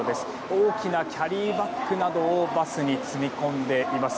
大きなキャリーバッグなどをバスに積み込んでいます。